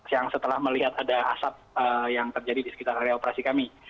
yang setelah melihat ada asap yang terjadi di sekitar area operasi kami